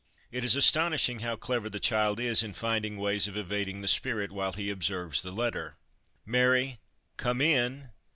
It is astonishing how clever the child is in finding ways of evading the spirit while he observes the letter. 'Mary, come in.'